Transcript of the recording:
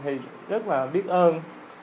thì rất là biết ơn